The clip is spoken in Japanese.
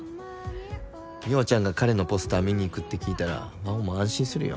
美帆ちゃんが彼のポスター見に行くって聞いたら真帆も安心するよ。